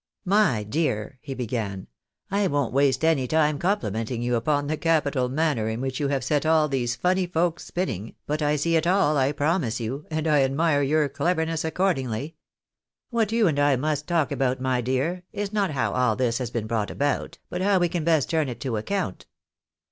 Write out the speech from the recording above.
" My dear," he began, " I won't waste any time complimenting you upon the capital manner in which you have set all these funny folks spinning, but I see it all, I promise you, and I admire your cleverness accordingly. "What you and 1 must talk about, my dear, is not how all this has been brought about, but how we can best turn it to account."